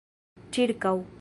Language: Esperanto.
ĉirkaŭ